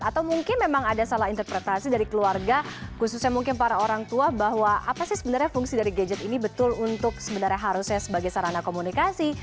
atau mungkin memang ada salah interpretasi dari keluarga khususnya mungkin para orang tua bahwa apa sih sebenarnya fungsi dari gadget ini betul untuk sebenarnya harusnya sebagai sarana komunikasi